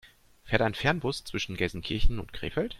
Fährt ein Fernbus zwischen Gelsenkirchen und Krefeld?